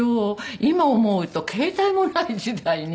今思うと携帯もない時代に。